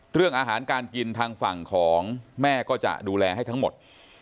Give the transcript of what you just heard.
เรื่องอาหารการกินทางฝั่งของแม่ก็จะดูแลให้ทั้งหมด